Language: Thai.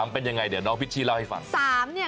เป็นยังไงเดี๋ยวน้องพิชชี่เล่าให้ฟัง